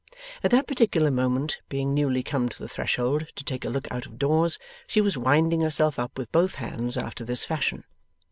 At that particular moment, being newly come to the threshold to take a look out of doors, she was winding herself up with both hands after this fashion.